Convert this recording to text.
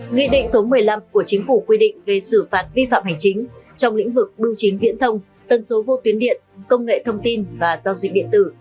nghị định số một mươi năm của chính phủ quy định về xử phạt vi phạm hành chính trong lĩnh vực bưu chính viễn thông tân số vô tuyến điện công nghệ thông tin và giao dịch điện tử